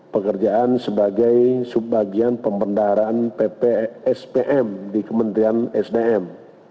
pekerjaan sebagai subbagian pembendaharaan ppspm di kementerian sdm